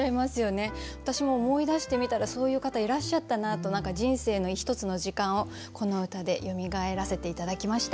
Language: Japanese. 私も思い出してみたらそういう方いらっしゃったなと何か人生の一つの時間をこの歌でよみがえらせて頂きました。